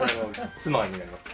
妻になります。